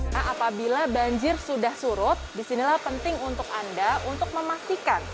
nah apabila banjir sudah surut disinilah penting untuk anda untuk memastikan